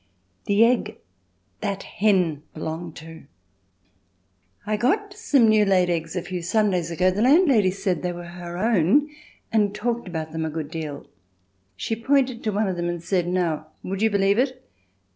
"The Egg that Hen Belonged to" I got some new laid eggs a few Sundays ago. The landlady said they were her own, and talked about them a good deal. She pointed to one of them and said: "Now, would you believe it?